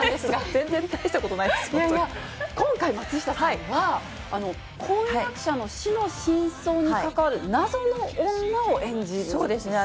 全然大したことないです、今回、松下さんは、婚約者の死の真相に関わる謎の女を演じるんですね？